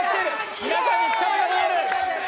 皆さんに疲れが見える。